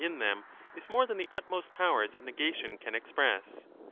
in them is more than the utmost powers of negation can tesTur^ express.